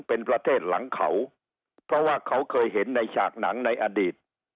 เป็นประเทศหลังเขาเพราะว่าเขาเคยเห็นในฉากหนังในอดีต